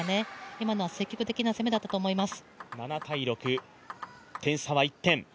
今のは積極的な攻めだったと思います。